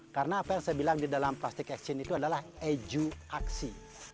karena apa yang saya bilang di dalam plastic action itu adalah eduaksi